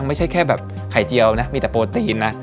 ไม่ใช่แค่แบบไข่เจียวนะมีแต่โปรตีนนะ